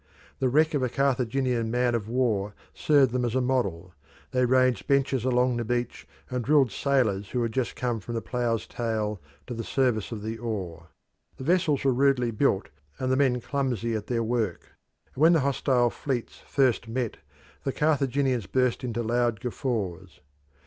The wreck of a Carthaginian man of war served them as a model; they ranged benches along the beach and drilled sailors who had just come from the plough's tail to the service of the oar. The vessels were rudely built and the men clumsy at their work, and, when the hostile fleets first met, the Carthaginians burst into loud guffaws.